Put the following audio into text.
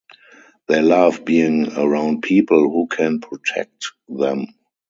They love being around people who can protect them.